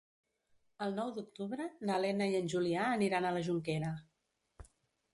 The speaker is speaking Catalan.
El nou d'octubre na Lena i en Julià aniran a la Jonquera.